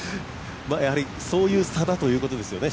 そういう差だということですね